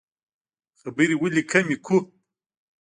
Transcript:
خبرې ولې کمې کړو؟